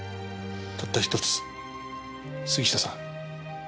たった１つ杉下さん